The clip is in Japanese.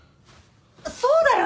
そうだよね！